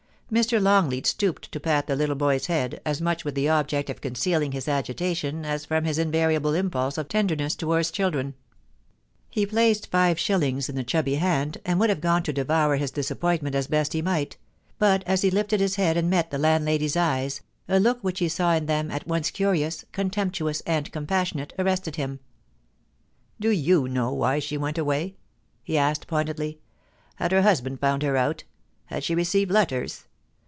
Mr. Longleat stooped to pat the little boy's head, as much with the object of concealing his agitation as from his in variable impulse of tenderness towards children. He placed ^^^ shillings in the chubby hand, and would have gone to devour his disappointment as best he might ; but as he lifted his head and met the landlady's eyes, a look which he saw in them, at once curious, contemptuous, and compassionate, arrested him. 392 POLICY AND PASSION. * Do you know why she went away ?* he asked pointedly. * Had her husband found her out ? Had she received letters